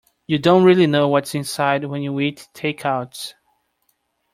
You don't really know what's inside when you eat takeouts.